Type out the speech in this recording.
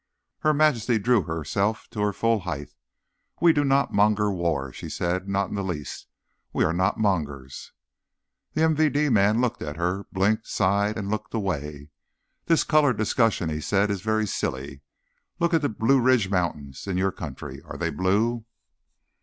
Her Majesty drew herself to her full height. "We do not monger war," she said. "Not in the least. We are not mongers." The MVD man looked at her, blinked, sighed and looked away. "This color discussion," he said, "it is very silly. Look at the Blue Ridge Mountains, in your country. Are they blue?"